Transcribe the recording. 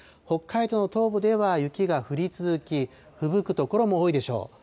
北海道の東部では雪が降り続き、ふぶく所も多いでしょう。